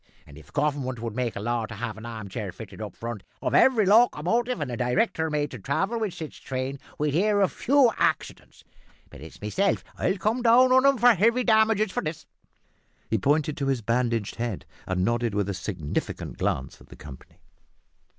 And if Government would make a law to have an arm chair fitted up in front of every locomotive and a director made to travel with sich train, we'd hear of fewer accidents. But it's meself 'll come down on 'em for heavy damages for this." He pointed to his bandaged head, and nodded with a significant glance at the company.